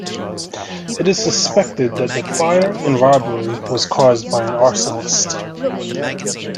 It is suspected that the fire and robbery was caused by an arsonist.